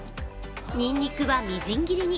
にんにくはみじん切りに。